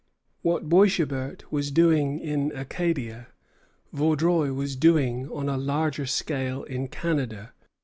What Boishébert was doing in Acadia, Vaudreuil was doing on a larger scale in Canada.